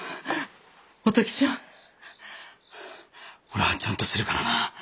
俺はちゃんとするからな！